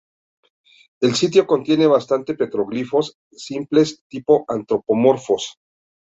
El sitio contiene bastante petroglifos simples tipo antropomorfos.